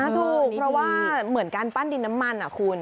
ถูกเพราะว่าเหมือนการปั้นดินน้ำมันคุณ